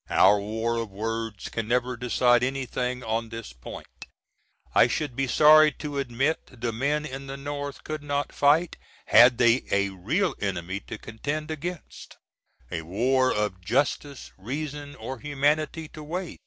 Our war of words can never decide anything on this point. I should be sorry to admit the men in the North could not fight, had they a real enemy to contend against a war of "justice, reason, or humanity" to wage.